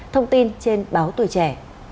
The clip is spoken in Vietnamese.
thông tin trên báo tuổi trẻ